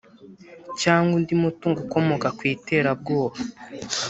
cyangwa undi mutungo ukomoka ku iterabwoba